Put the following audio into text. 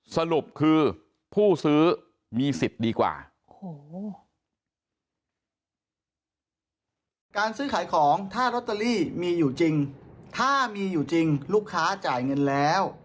สรุปคือผู้ซื้อมีสิทธิ์ดีกว่า